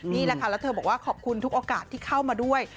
นี่แหละค่ะแล้วเธอบอกว่าขอบคุณทุกโอกาสที่เข้ามาด้วย